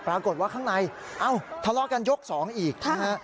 ปรากฏว่าข้างในเอ้าทะเลาะกันยก๒อีกนะฮะ